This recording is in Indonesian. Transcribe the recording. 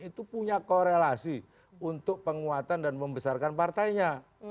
itu punya korelasi untuk penguatan dan membesarkan partainya